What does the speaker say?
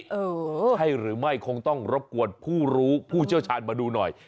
เออใช่หรือไม่คงต้องรบกวนผู้รู้ผู้เชี่ยวชาญมาดูหน่อย